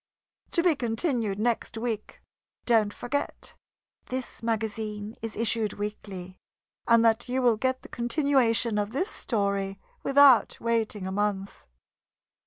TO BE CONTINUED NEXT WEEK. Don't forget this magazine is issued weekly, and that you will get the continuation of this story without waiting a month.